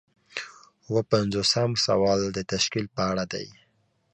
اووه پنځوسم سوال د تشکیل په اړه دی.